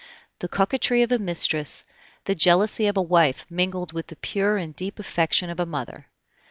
The coquetry of a mistress, the jealousy of a wife mingled with the pure and deep affection of a mother.